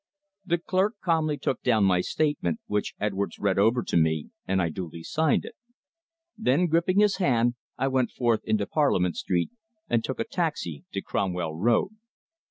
The clerk calmly took down my statement, which Edwards read over to me, and I duly signed it. Then, gripping his hand, I went forth into Parliament Street, and took a taxi to Cromwell Road.